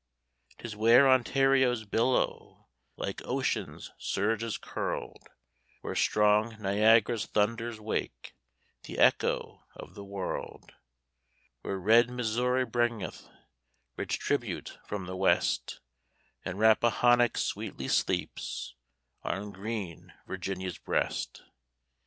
'Tis where Ontario's billow Like ocean's surge is curl'd; Where strong Niagara's thunders wake The echo of the world; Where red Missouri bringeth Rich tribute from the West, And Rappahannock sweetly sleeps On green Virginia's breast.